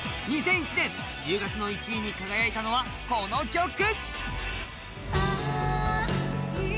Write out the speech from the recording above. ２００１年１０月の１位に輝いたのはこの曲！